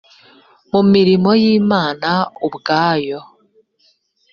mu mirimo y inama ubwayo